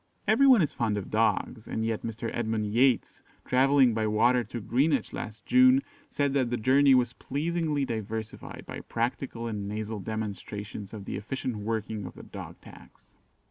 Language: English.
Every one is fond of dogs, and yet Mr. Edmund Yates, travelling by water to Greenwich last June, said that the journey was pleasingly diversified by practical and nasal demonstrations of the efficient working of the Dog tax.